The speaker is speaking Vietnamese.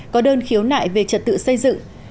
có đơn khiếu nại về trật tự xây dựng